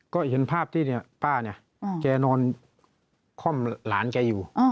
ก็เห็นภาพที่ป้าเนี่ยแกนอนค่อมหลานแกอยู่